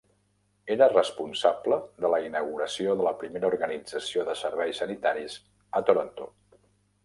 Era responsable de la inauguració de la primera organització de serveis sanitaris a Toronto.